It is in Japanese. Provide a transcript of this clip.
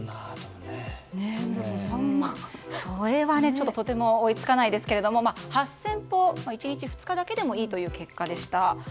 それはちょっととても追いつかないですが８０００歩は１日、２日だけでもいいという結果でした。